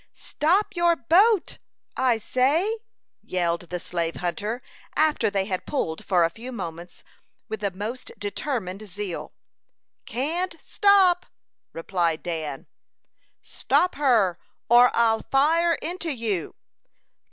"Stop your boat, I say," yelled the slave hunter, after they had pulled for a few moments with the most determined zeal. "Can't stop!" replied Dan. "Stop her, or I'll fire into you!"